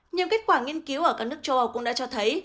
nhiều kết quả nghiên cứu ở các nước châu âu cũng đã cho thấy